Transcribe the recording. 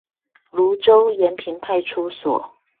蘆洲延平派出所